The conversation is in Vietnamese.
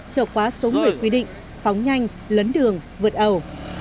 trở quá số người quy định phóng nhanh lấn đường vượt ẩu